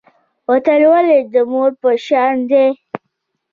وطن ولې د مور په شان دی؟